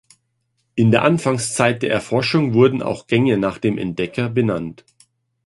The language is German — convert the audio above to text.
In der Anfangszeit der Erforschung wurden auch Gänge nach dem Entdecker benannt.